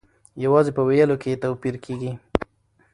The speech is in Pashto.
یوازې په ویلو کې یې توپیر کیږي.